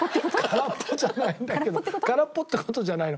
空っぽじゃないんだけど空っぽって事じゃないの。